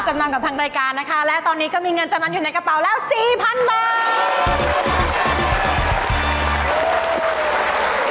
จำนำกับทางรายการนะคะและตอนนี้ก็มีเงินจำนำอยู่ในกระเป๋าแล้วสี่พันบาท